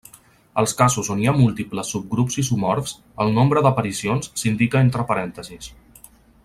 Als casos on hi ha múltiples subgrups isomorfs, el nombre d'aparicions s'indica entre parèntesis.